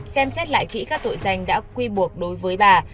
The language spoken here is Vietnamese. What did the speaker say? xem xét lại kỹ các tội danh đã quy buộc đối với bà